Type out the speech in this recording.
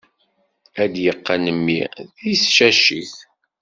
Ad t-yeqqen mmi di tcacit.